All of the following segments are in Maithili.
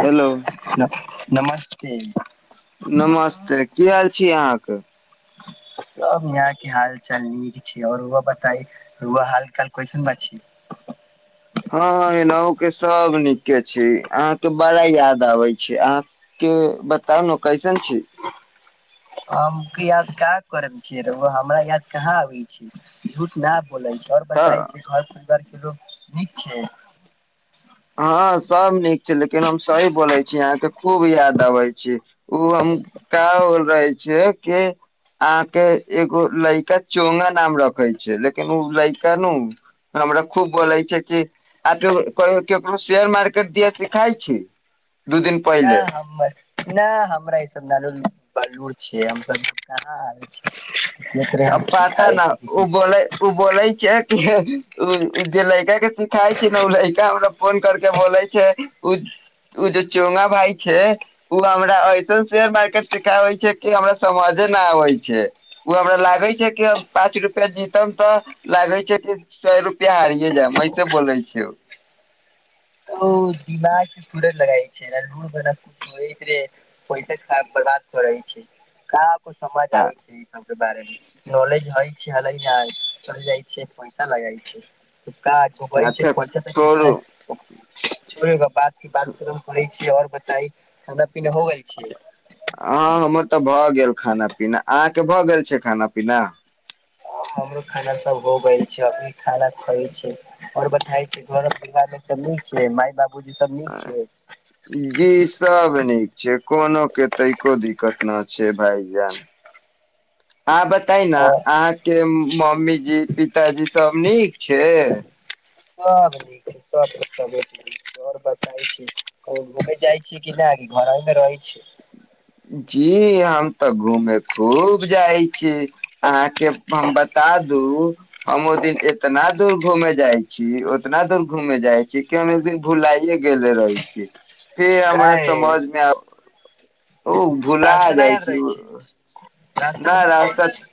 हेलो। नमस्ते। नमस्ते, की हाल छी अहाँके?। सब यहाँ के हाल चाल निक ई छीयै और रउवा बताई रउवा हाल काल कैसन बा छी। हां -हां एनहु के सब नीके छी, अहाँके बड़ा याद आबे छै, अहाँ के बताउ ने कैसन छी। हमके याद काहे करब छीयै रउवा हमरा याद कहाँ आबे छै झूठ न बोलै छै और बताए तऽ छै घर पर घर के लोक नीक छै। हां सब नीक छै लेकिन हम सही बोलै छी अहाँके खूब याद अबै छी। उ हम का होल रहै छीयै कि अहाँ के एगो लइका चोंगा नाम रखे छै लेकिन उ लइका नु हमरा खूब बोले छै कि आब जो कोय केकरो शेयर मार्केट दियै सिखाइ छी। दू दिन नै पहिले हमर नै हमरा ई सब बारे मे बलुर छियै, हम सब कहाँ आबै छै। इतने आ हम पता सिखाबै न छै उ किसी बोलै, उ बोलै छै। उ जे लड़का के सिखाय छीयै नै ओ लड़का हमरा फोन कर के बोले छै उ उ जे चोंगा भाय छै उ हमरा ऐसन शेयर मार्केट सिखाबै छै कि हमरा समझे न आबै छै उ हमरा लागै छै की अब पाँच रुपया जीतल तऽ लागै छै कि सौ रुपया हारिए जायब ऐसे बोलै छै उ। ओ दिमाग थोड़े लगाय छै, [unintelligible] पैसा खराब बर्बाद करै छै, काम ओ समझ आ आबै छै ई सबके बारे मे नॉलेज हइ। छलै नै चल जाइ छीयै पैसा लगइ छै। तो का [unintelligible] छै तऽ अच्छा पैसा दै छै कि छोड़ू नै। छोेड़े के बात ई बात के एकदम करै छीया। बताई हमे की नै हो गेल हँ छीयै। हमर तऽ भऽ गेल खाना पीना अहाँके भऽ गेल छै खाना पीना। हम हमरो खाना सब हो गैल छै अभी, खाना खाइ छी ओर बताई की घर परिवार मे सब निक छै, माय बाप ए जी सब निक छै, कोनो के तै को दिक्कत नै छै भाईजान, आदत तहना और अहाँके उम्म मम्मीजी पिताजी सब नीक छै। सब नीक छै सबके तबीयत और बताई की कहू घुमै जाइ छीयै कि नै घरमे रहै छीयै। जी हम तऽ घूमे खूब जाइ छी, अहाँके हम बता दू हम ओय दिन एतना दूर घूमे जाइ छी ओतना दूर घूमे जाइ छीयै कि हम एकदिन भुलाईयै गेल रही छी फेर हमरा काहे समझमे आब ओ भुला रास्ता न जाइ याद रहै छीयै उ छै रास्ता नै भूल रास्ता जाइ छी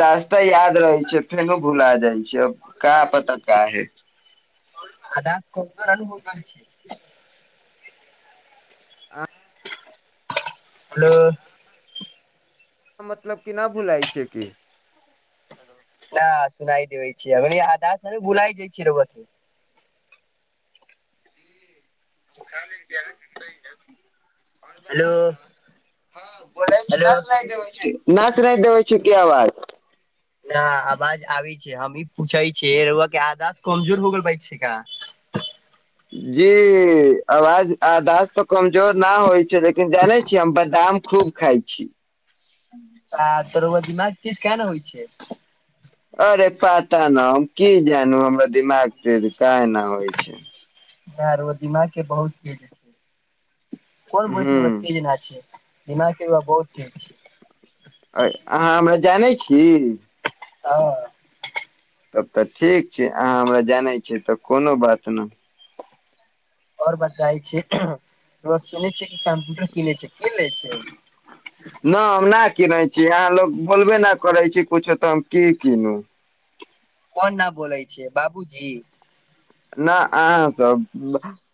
रास्ता याद रहै छै फेनोो भुला जाइ छै क पता का है। आ द को रहलन ब रहल छै। आ। हलो। मतलब कि नहि भुलाइ छै कि। न सुनाइ देबै छिय हम आधास ने भुलाइ जाइ छियै रब। खाली। आओर हेलो बताय न हँ बोलाय छी हेलो न नहि देबै छै। न सुनाइ दे छ की आवाज। न आवाज आबै छै हम ई पूछै छियै के रआधास कमजोर हो गेल बै छै का। जी आवाज आधास त कमजोर न होइ। लेकिन जानै छियै हम बादाम। खूब खाइ छी। तदरव दना। [unintelligible] किस किया ने होइ छै। अरे पता न हम की जानू हमरा दिमाग त काय न होइ छै। र ओ दिमाग के बहुत चेज छै। कोन ब छल ओ ह्म की ज अिय। दिमाग। बहुत तेज छीए। अहाँ हमरा जानै छी। हं। तब तऽ ठीक छै अहाँ हमरा जानै छिय तऽ कोनो बात नई। आओर बताै छै सुनै छ कि कम्प्यूटर कीनै छै की ले छै। न हम नहि की रहै छी। छी अहाँ लोग बोलबे नहि करै छी कुछो तऽ हम की कीनू। कोन न बोलय छै बाबूजी। न अहाँ सब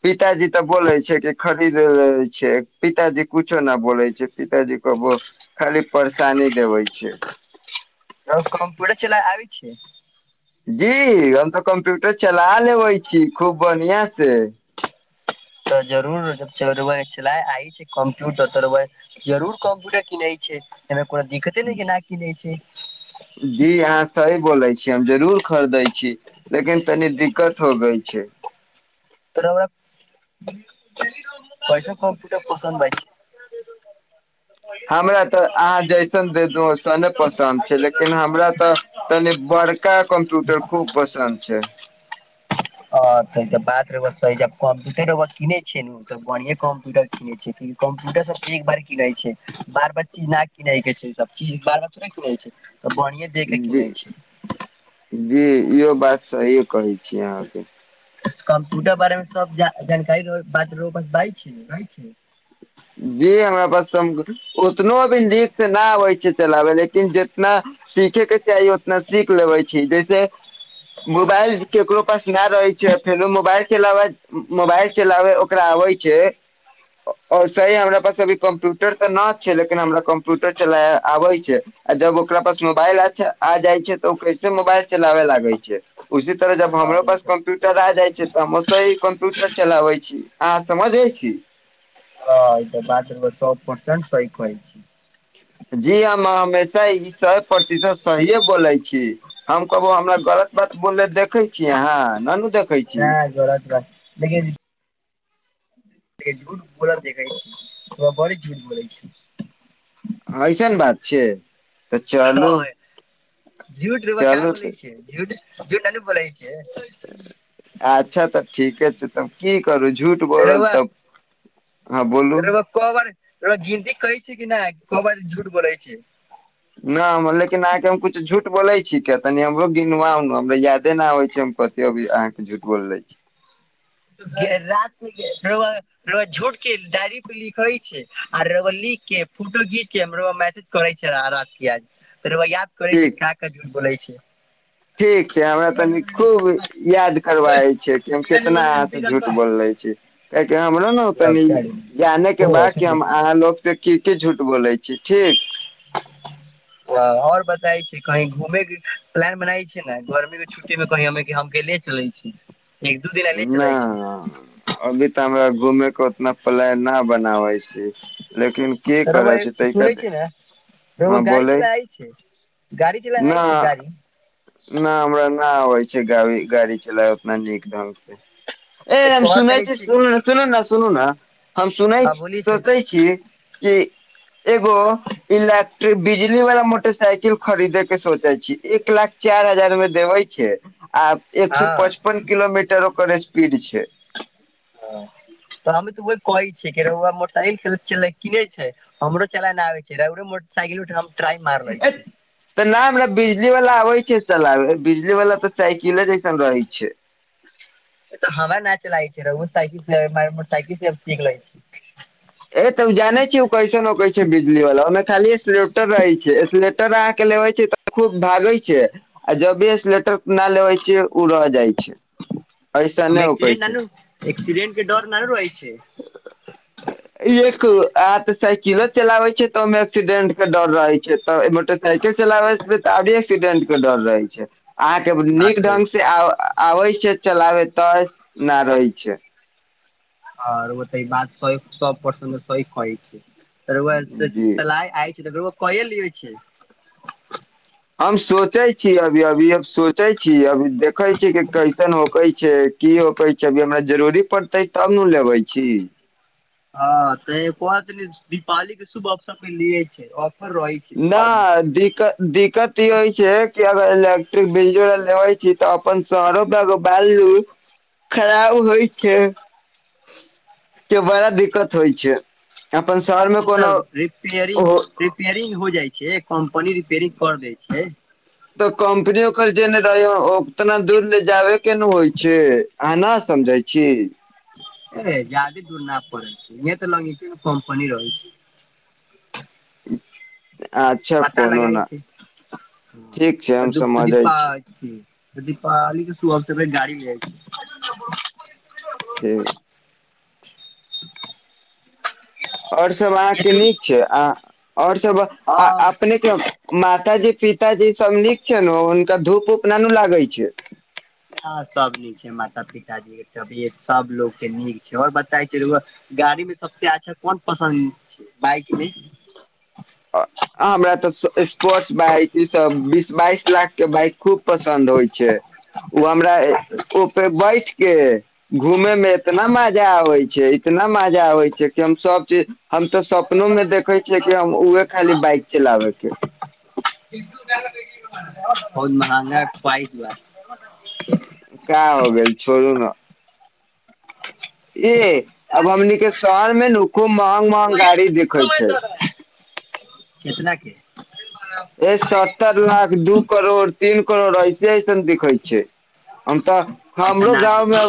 पिताजी तऽ बोले छै कि खरीद ले छै पिताजी कछो नहि बोले छै पिताजी को खाली परेशानी देबे छै। त कम्प्यटर चला आब छै। जी हम तऽ कम्प्यूटर चला लेबे छी खूब बढ़ियां से। तऽ जरूर च आइ छै कं्प्यूटर तो जरूर कम्प्यूटर किनै छै। ओरा दिक्कते नहि के की नहि छै। जी अहाँ सही बोलै छीिय हम जरूर खरीदै छी लेकिन तनी दिक्कत हो गई छै। तर हमरा पैसा कम प पसन्द प। हमरा तऽ अहाँ जैसन दे दू ओैसने पसन्द छै लेकिन हमरा तऽ तनि बड़का कम्प्यूटर खूब पसन्द छै। ओ तन बात। कम्प्यूटर किनै छै ने त बढ़िए कम्प्यूटर कनै छै कम्प्यूटर सब त एक बार कनै छै बार बार चीज नहि किनै के छै सब चीज बार बार थोड़े कनै छै। तऽ बढ़िए दे के किनै छै। इ बात इ कह छै। छी अहां के। इस कम्प्यूटर बारे मे सब जा जानकारी रहो, बात रहो, बस बाजै छीयै, बाजै छीयै। जी हमरा बस संग ओतनो अभी नीक से न आबै छै चलाबै लै। लेकिन जतना सीखे के चाही ओतना सीख लेबै छीयै जे से मोबाइल जे केकरो पास न रहै छै फेरो मोबाइल के चलावे मोबाइल चलावे ओकरा आबे छै अ और सही हमरा पास अभी कंप्यूटर तऽ न छै लेकिन हमरा कंप्यूटर चलाबे आबे छै अ जब ओकरा पास मोबाइल अच्छा आय जाय छै तऽ उ कैसे मोबाइल चलावे लागे छै, उसी तरह जब हँ हमरो ई पास तऽ कम्प्यूटर आ जाइ से तऽ हम ओसे ही कम्प्यूटर चलाबै छी, अहां समझे छी। हां ई तऽ बात मे सौ परसेंट सही कहै छी। जी हम हमेशा ई सौ प्रतिशत सहीए बोले छी, हम कबो हमरा गलत बात बोलले देखे छीयै अहाँ नानू देख नै गलत बात लेकिन पुरा देखय छी अहां बड़ झूठ बोलै छी। ऐसन बात छै। तऽ चलू हां झूठ रउवा काहे चलू तऽ बोलै छीयै, झूठ झूठ नै न बोलै छीयै। अच्छा तऽ। ठीके छै तब की करू झूठ त बोलल रउवा, तब हँ बोलू त रउवा क बार र गिनती करी। छी की नै क बार ई झूठ बोलै छै। न हम लेकिन अहाँके हम किछु झूठ बोलै छी किया तनी हमरो गिनवाव न हमरा यादे नै आबै छै हम कते अभी अहाँके झूठ बोललै छी। त घेर रातमे घेर रउवा रउवा झूठ के डायरी प लिख हय छै आर रउवा लिख के फोटो घीच के हमरो मैसेज करे छै रा रात बिरात त रउवा याद करे छै ठीक का का झुठ बोलै छीयै। ठीक छै हमरा तनि खूब याद करबाबै छै कि हम केतना अहां से झूठ बोललै छीयै कियाकी हमरो नै तनी जाने के बाद कि हम अहाँ लोग से की की झूठ बोलै छीयै ठीक। हां और बत जाइ छीयै कही घूमे के प्लान बनाबै छीयै न गर्मी के छुट्टी मे कही हमके लै चलै छी। न अभी तऽ हमरा घूमे के ओतना प्लान ने हे। बनाबै छी। लेकिन की रउवा करै छी ए तैका सुनै छीयै नै रउवा हँ गाड़ी बोले चलाए छै, गाड़ी चलाए छै, गाड़ी। नै हमरा नै आबै छै गाड़ी गाड़ी चलाय ओतना नीक ढंग से। तऽ ए हम कह सुनय तनी छीयै छी सुन सुनू न, सुनू न। हम सुने हँ बोली छै सकै छी की एगो इलेक्ट्रिक बिजली वला मोटरसाइकिल खरीदे के सोचै छी, एक लाख चारि हजार मे देबै छै। आ एक सौ हँ पचपन किलोमीटर ओकर एस स्पीड छै। ह त हमी त बोल कहै छै की रोउवा मोटरसाइकिल किने चले, किने छै हमरो चलायना आबे छै, रउरो मोटरसाइकिल उठ ट्राइ मार लै छी एतना हमरा बीज बिजली वला आबै छै चलाले, बिजली वला तऽ साइकिले जैसन रहै छै। एता हवा नहि चलाय छै, रूउवा साइकिल से म मोटर साइकिल से अब सीख ले छै। ए तऽ ओ जाने छी ओ कैसन होकै छै बिजली वला, ओहिमे खाली स्लेपटर रहे छै, स्लेप ट्राय के लेबे छै तऽ खूब भागे छै आ जब भी स्लेटर नहि लेबे छै ओ रह जाइ छै। ऐसने ओहिमे नहि उकै एक्सीडेंट छै। नानू एक्सीडेंट के डर नहि रहै छै। एक आत से किरत चलाबै छै तऽ ओहिमे एक्सीडेंट के डर रहे छै तऽ मोटरसाइकिल चलाबे तऽ आभी एक्सीडेंट के डर रहै छै। अहाके नीक बात रहै ढंग से आ आबै छै चलाबे तऽ नहि रहै छै। आओर ओ ते बात सइ सौ प्रस सही कहै छै। रोउवा से जी सलाय आय कहि लिये छै। हम सोचै छी अभी अभी अब सोचै छी अभी देखे छी की कैसन होकै छै की होकै छै अभी हमरा जरूरी पड़तै तब ने लेबे छी। ह तऽ पर दीपावली के शुभ अवसर मे लिय छै आओर न दिक दिक्कत ई होइ छै कि अगर इलेक्ट्रिक बिलो लेै छी तऽ अपन शहरो बालू खराब होइ छै के बड़ा दिक्कत होइ छै। अपन शहर मे कोनो सब रिपेयरिंग हो रिपेयरिंग हो जाइ छै कम्पनी रिपेयरिंग कर दै छै। तऽ कम्पनी ओकर जे ने रहै, ओ उतना दूर ले जाबे के ने होइ छै, अहां नहि समझै छी। ए जादे दूर न पड़े छै, इह तऽ न इ कम्पनी रहै छै। अच्छा पता कोनो लगाय न छै ठीक छै त हम दु दी समझै पा छी अथी दीपाली के शुभ अवसर पर गाड़ी ले छै। ठीक। आओर सब अहाके नीक छै आ और सब आ हँ अपने के माताजी पिताजी सब नीक छै ने हुनका धूप उप ननु लागै छै। हँ सब नीक छै, माता पिताजी के तबियत सबलोग के नीक छै। आऔर बताई की रौवा गाड़ी में सबसे अच्छा कोन पसन्द छै। बाइक मे अ हमरा तऽ सस्पोर्ट्स बाइक ई सब बीस बाइस लाख के बाइक खुब पसन्द होइ छै ओ हमरा ए ओ बैठ के घूमे में एतना मजा आबै छै इतना मजा आबै छै कि हम सब चीज हम तऽ सब अपनो मे देखै छियै कि हम उहे खाली बाइक चलाबै के। बहुत महँगा का हो गैल छोड़ू न। ए अब हमनीके शहर मे नु खूब महंग महंग गाड़ी देखै छै। केतना के। ए सत्तर लाख दू करोड़ तीन करोड़ ऐसे ऐसन बिकै छै हम तऽ हम तऽ हमरो ना देख गाँवमे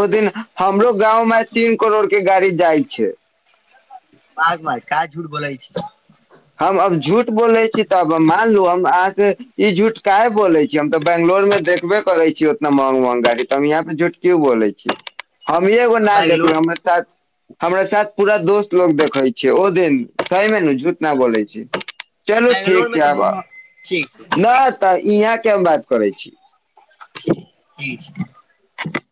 ओ दिन हमरो गाँंव मे तीन करोड़ के गाड़ी जाइ छै। पाग भाय का झूठ बोलय छी। हम अब झूठ बोले छी तऽब मानलू हम अहाँ से ई झूठ काहे बोले छी हम तऽ बैंगलोर मे देखबे करै छी उतना महंग महंग गाड़ी तऽ हम यहा पे झूठ क्यु बोले छी। हमी एगो नाच बंगलोर देखलहु हमरा साथ हमरा साथ पूरा दोस्त लोग देखै छै ओ दिन सहिमे ने झु - ना बोलै छी। चलू बंगलोर ठीक मे छै आब। तऽ ठीक छै न तऽ इहाँ केहन बात करै छी। ठीक छै।